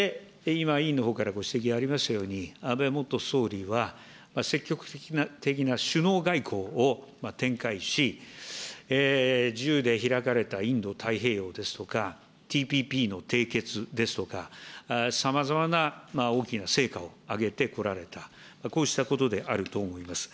そして、今、委員のほうからご指摘がありましたように、安倍元総理は積極的な首脳外交を展開し、自由で開かれたインド太平洋ですとか、ＴＰＰの締結ですとか、さまざまな大きな成果を上げてこられた、こうしたことであると思います。